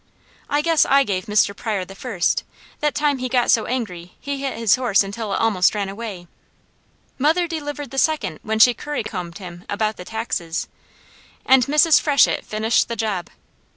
I guess I gave Mr. Pryor the first, that time he got so angry he hit his horse until it almost ran away. Mother delivered the second when she curry combed him about the taxes, and Mrs. Freshett finished the job.